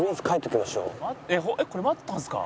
「これ待ったんですか？」